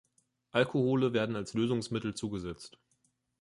Alkohole werden als Lösungsmittel zugesetzt.